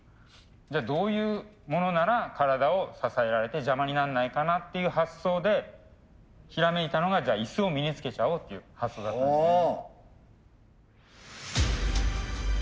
じゃあどういうモノなら体を支えられて邪魔になんないかなっていう発想でひらめいたのがじゃあ椅子を身につけちゃおうっていう発想だったんですよね。